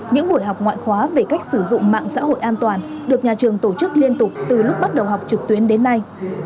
những buổi học ngoại khóa về cách sử dụng mạng xã hội an toàn được nhà trường tổ chức liên tục từ lúc bắt đầu học trực tuyến đến nay